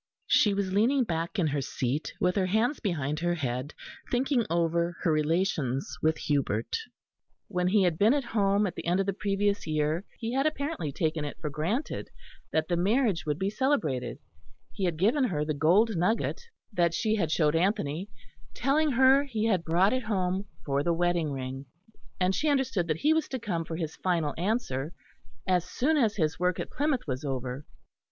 She was leaning back in her seat, with her hands behind her head, thinking over her relations with Hubert. When he had been at home at the end of the previous year, he had apparently taken it for granted that the marriage would be celebrated; he had given her the gold nugget, that she had showed Anthony, telling her he had brought it home for the wedding ring; and she understood that he was to come for his final answer as soon as his work at Plymouth was over.